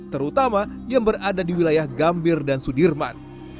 terutama yang berada di wilayah gambir dan sudirman